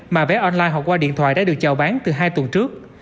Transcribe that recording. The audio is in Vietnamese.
mà vé online hoặc qua điện thoại đã được chào bán từ hai tuần trước